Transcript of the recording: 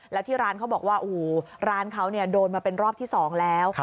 แล้วที่ร้านเขาบอกว่าโอ้โหร้านเขาโดนมาเป็นรอบที่๒แล้ว